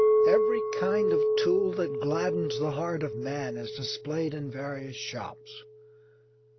Every kind of tool that gladdens the heart of man is displayed in various shops.